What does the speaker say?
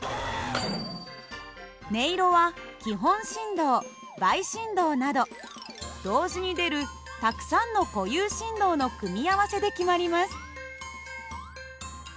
音色は基本振動倍振動など同時に出るたくさんの固有振動の組み合わせで決まります。